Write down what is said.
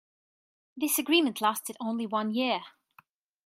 This agreement lasted only one year.